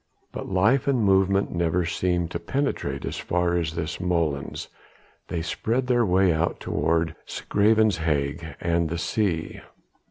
But life and movement never seem to penetrate as far as this molens; they spread their way out toward 'S Graven Hage and the sea.